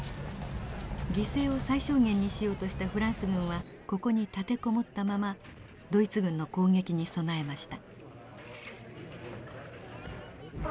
犠牲を最小限にしようとしたフランス軍はここに立てこもったままドイツ軍の攻撃に備えました。